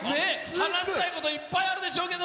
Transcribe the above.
話したいこといっぱいあるでしょうけど。